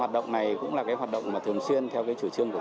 hoạt động này cũng là cái hoạt động mà thường xuyên theo cái chủ trương